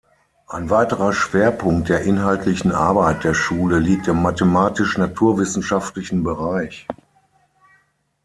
Ein weiterer Schwerpunkt der inhaltlichen Arbeit der Schule liegt im mathematisch-naturwissenschaftlichen Bereich.